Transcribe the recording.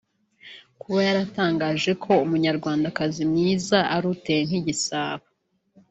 Kuba yaratangaje ko umunyarwandakazi mwiza ari uteye nk'igisabo